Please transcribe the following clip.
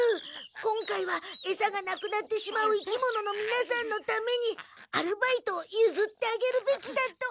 今回はエサがなくなってしまう生き物のみなさんのためにアルバイトをゆずってあげるべきだと。